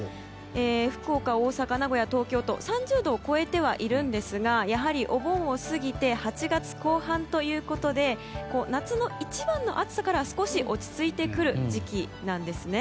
福岡、大阪、名古屋、東京と３０度を超えてはいるんですがやはりお盆を過ぎて８月後半ということで夏の一番の暑さからは少し落ち着いてくる時期なんですね。